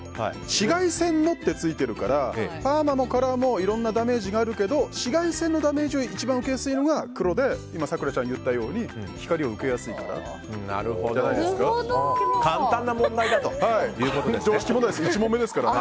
紫外線のってついてるからパーマもカラーもいろんなダメージがあるけど紫外線のダメージを一番受けやすいのが黒で今、咲楽ちゃんが言ったように光を受けやすいからじゃ簡単な問題だということですね。